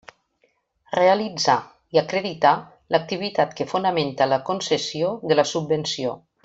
Realitzar, i acreditar, l'activitat que fonamenta la concessió de la subvenció.